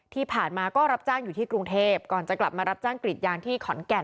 ที่ผ่านมาก็รับจ้างอยู่ที่กรุงเทพก่อนจะกลับมารับจ้างกรีดยางที่ขอนแก่น